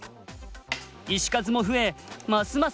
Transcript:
石数も増えますます